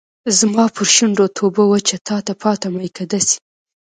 زما پر شونډو توبه وچه تاته پاته میکده سي